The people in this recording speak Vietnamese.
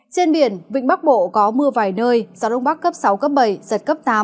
trên biển vịnh bắc bộ có mưa vài nơi gió đông bắc cấp sáu cấp bảy giật cấp tám